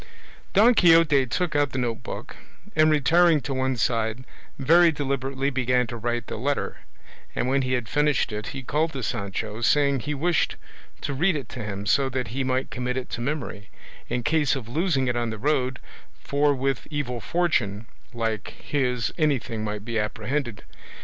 Don Quixote took out the note book, and, retiring to one side, very deliberately began to write the letter, and when he had finished it he called to Sancho, saying he wished to read it to him, so that he might commit it to memory, in case of losing it on the road; for with evil fortune like his anything might be apprehended.